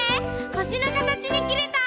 ほしのカタチにきれた！